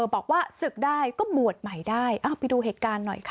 บอกว่าศึกได้ก็บวชใหม่ได้ไปดูเหตุการณ์หน่อยค่ะ